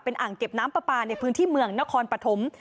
อ่างเก็บน้ำปลาปลาในพื้นที่เมืองนครปฐม